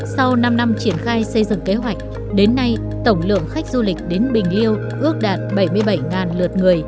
sau năm năm triển khai xây dựng kế hoạch đến nay tổng lượng khách du lịch đến bình liêu ước đạt bảy mươi bảy lượt người